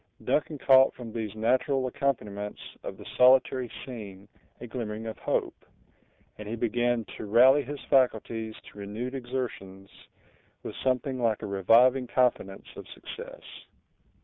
Duncan caught from these natural accompaniments of the solitary scene a glimmering of hope; and he began to rally his faculties to renewed exertions, with something like a reviving confidence of success.